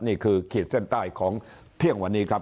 นี่คือเขตเส้นใต้ของเที่ยงวันนี้ครับ